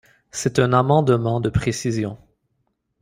C’est un amendement de précision.